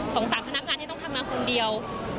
สามพนักงานที่ต้องทำงานคนเดียว